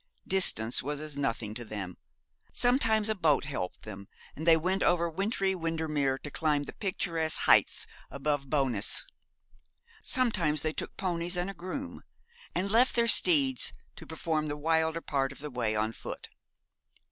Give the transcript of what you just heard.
Distance was as nothing to them sometimes a boat helped them, and they went over wintry Windermere to climb the picturesque heights above Bowness. Sometimes they took ponies, and a groom, and left their steeds to perform the wilder part of the way on foot.